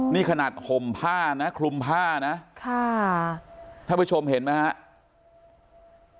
นี่ขนาดห่มผ้านะคลุมผ้านะค่ะท่านผู้ชมเห็นไหมครับ